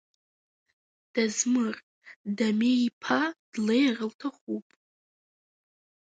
Дазмыр Дамеи-иԥа, длеир лҭахуп…